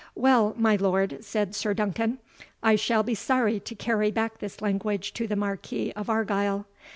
"Well, my lord," said Sir Duncan, "I shall be sorry to carry back this language to the Marquis of Argyle.